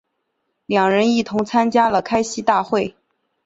两人一同参加了开西大会。